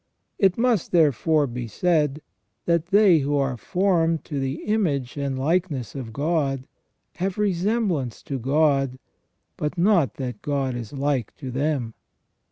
It must therefore be said, that they who are formed to the image and likeness of God, have resemblance to God, but not that God is like to them.